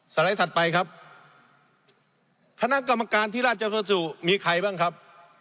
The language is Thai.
ไลด์ถัดไปครับคณะกรรมการที่ราชภัสสุมีใครบ้างครับ